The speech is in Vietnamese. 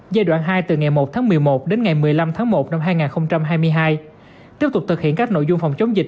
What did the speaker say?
giai đoạn hai từ ngày một tháng một mươi một đến ngày một mươi năm tháng một năm hai nghìn hai mươi hai tiếp tục thực hiện các nội dung phòng chống dịch